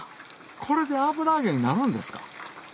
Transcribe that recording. これで油揚げになるんですか？